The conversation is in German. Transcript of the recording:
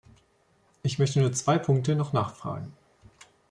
Ich möchte nur zwei Punkte noch nachfragen.